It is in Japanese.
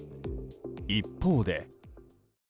一方で。